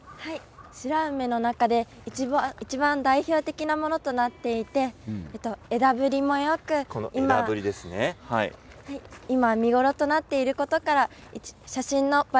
白梅の中で、いちばん代表的なものとなっていて枝ぶりもよく今、見頃となっていることから写真の映え